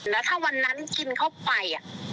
แล้วถ้าวันนั้นกินเข้าไป